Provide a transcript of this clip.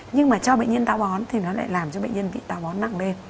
nhưng mà cho bệnh nhân táo bón thì nó lại làm cho bệnh nhân bị ta bón nặng lên